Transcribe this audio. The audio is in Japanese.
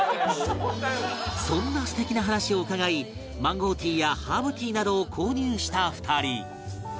そんな素敵な話を伺いマンゴーティーやハーブティーなどを購入した２人